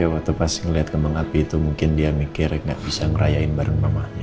waktu pas ngeliat kembang api itu mungkin dia mikir nggak bisa ngerayain bareng mamanya